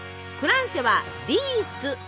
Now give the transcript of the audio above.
クランセは「リース」。